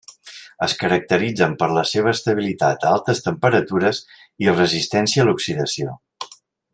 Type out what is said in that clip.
Es caracteritzen per la seva estabilitat a altes temperatures i resistència a l'oxidació.